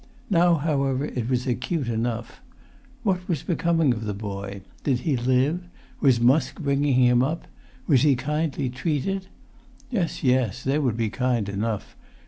Now, however, it was acute enough. What was[Pg 242] becoming of the boy? Did he live? Was Musk bringing him up? Was he kindly treated? Yes, yes, they would be kind enough!